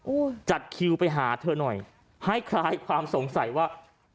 จัดคิวไปหาเธอหน่อยให้คลายความสงสัยว่า